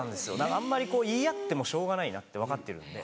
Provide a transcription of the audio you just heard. あんまり言い合ってもしょうがないって分かってるので。